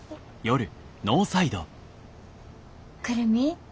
久留美。